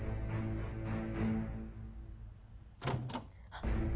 あっ。